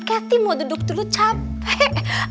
catty mau duduk dulu capek